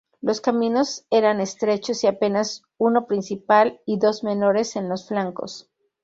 Los caminos eran estrechos y apenas uno principal y dos menores en los flancos.